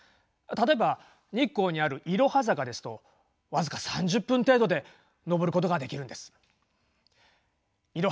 例えば日光にあるいろは坂ですと僅か３０分程度で上ることができるんです。